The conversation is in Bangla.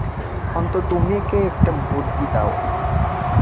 অন্তত তুমি ওকে একটা বুদ্ধি দাও?